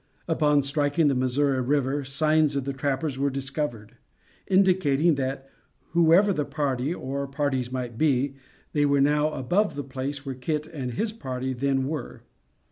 Upon striking the Missouri River, signs of trappers were discovered, indicating that, whoever the party, or parties might be, they were now above the place where Kit and his party then were.